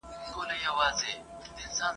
رمې اوتري ګرځي !.